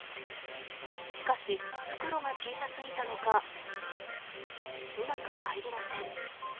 しかし、袋が小さすぎたのかうまく入りません。